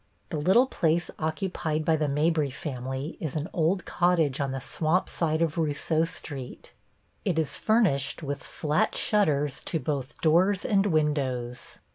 The little place occupied by the Mabry family is an old cottage on the swamp side of Rousseau Street. It is furnished with slat shutters to both doors and windows.